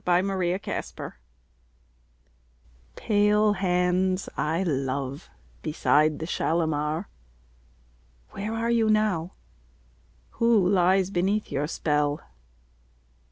Kashmiri Song Pale hands I love beside the Shalimar, Where are you now? Who lies beneath your spell?